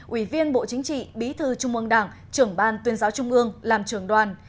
ủy viên bộ chính trị bí thư trung ương đảng trưởng ban tuyên giáo trung ương làm trưởng đoàn